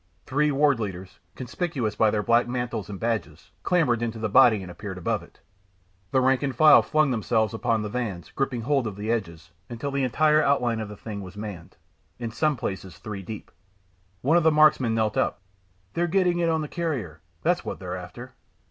Three Ward Leaders, conspicuous by their black mantles and badges, clambered into the body and appeared above it. The rank and file flung themselves upon the vans, gripping hold of the edges, until the entire outline of the thing was manned, in some places three deep. One of the marksmen knelt up. "They're putting it on the carrier that's what they're after."